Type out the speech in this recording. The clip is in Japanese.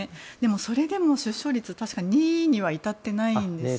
それでも出生数、確かに２位には至っていないんです。